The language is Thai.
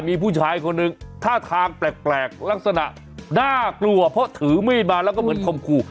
มีผู้ชายคนหนึ่งท่าทางแปลกลักษณะน่ากลัวเพราะถือมีดมาแล้วก็เหมือนคมคู่